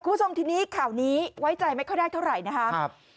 คุณผู้ชมทีนี้ข่าวนี้ไว้ใจไม่ค่อยได้เท่าไหร่นะครับ